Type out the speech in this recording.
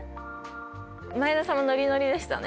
前田さんもノリノリでしたね。